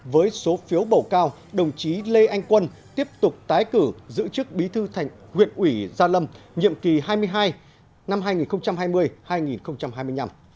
với số phiếu bầu cao đồng chí lê anh quân tiếp tục tái cử giữ chức bí thư thành huyện ủy gia lâm nhiệm kỳ hai mươi hai năm hai nghìn hai mươi hai nghìn hai mươi năm